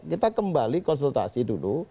kita kembali konsultasi dulu